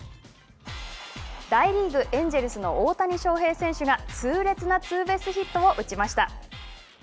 大リーグ、エンジェルスの大谷翔平選手が痛烈なツーベースヒットを打ちました。